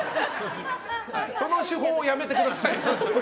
その手法、やめてください。